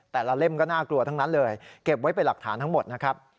เล่มก็น่ากลัวทั้งนั้นเลยเก็บไว้เป็นหลักฐานทั้งหมดนะครับ